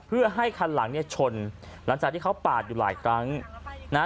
เพื่อให้คันหลังเนี่ยชนหลังจากที่เขาปาดอยู่หลายครั้งนะฮะ